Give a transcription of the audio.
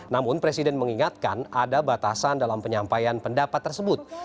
namun presiden mengingatkan ada batasan dalam penyampaian pendapat tersebut